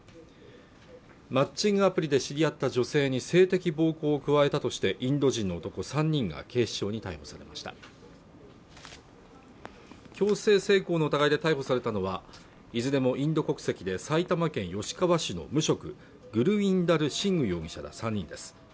マッチングアプリで知り合った女性に性的暴行を加えたとしてインド人の男３人が警視庁に逮捕されました強制性交の疑いで逮捕されたのはいずれもインド国籍で埼玉県吉川市の無職グルウィンダル・シング容疑者ら３人です